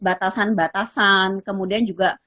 batasan batasan kemudian juga